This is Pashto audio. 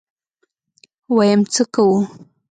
ويم څه کوو.